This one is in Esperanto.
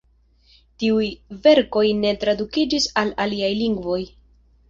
Tiuj verkoj ne tradukiĝis al aliaj lingvoj.